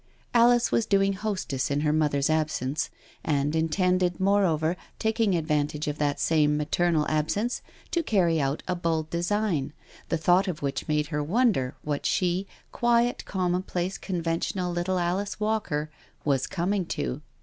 Alice was doing hostess in her mother's absence, and intended, moreover, taking advantage of that same maternal absence to carry out a bold design, the thought of which made her wonder what she, quiet, commonplace, conventional little Alice Walker, was coming to.